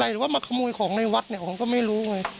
หรือว่ามาขโมยของในวัดเนี่ยผมก็ไม่รู้ไง